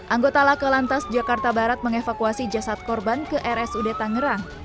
anggota laka lantas jakarta barat mengevakuasi jasad korban ke rs udeta ngerang